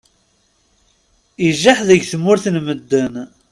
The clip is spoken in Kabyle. Ijaḥ deg tmura n medden.